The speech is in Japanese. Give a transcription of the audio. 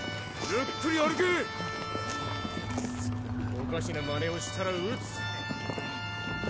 おかしなまねをしたら撃つ！